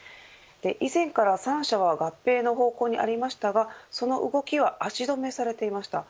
以前から３社は合併の方向にありましたがその動きは足止めされていました。